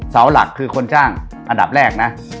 เสาหลักคือคนจ้างอันดับแรกนะ